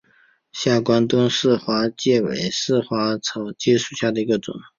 下关东似美花介为似美花介科似美花介属下的一个种。